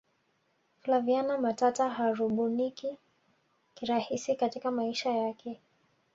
flaviana matata harubuniki kirahisi katika maisha yake